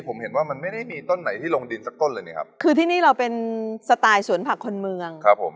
ผมเห็นว่ามันไม่ได้มีต้นไหนที่ลงดินสักต้นเลยนะครับคือที่นี่เราเป็นสไตล์สวนผักคนเมืองครับผม